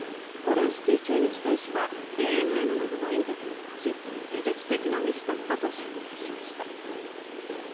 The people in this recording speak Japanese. コルンスキー駐日大使はＡＮＮなどのインタビューに応じ技術的なミスだったと釈明しました。